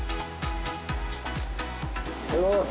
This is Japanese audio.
おはようございます。